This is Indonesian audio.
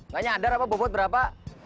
gak nyadar apa bobot berapa